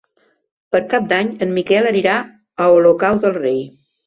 Per Cap d'Any en Miquel anirà a Olocau del Rei.